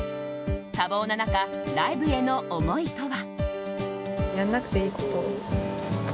多忙な中、ライブへの思いとは。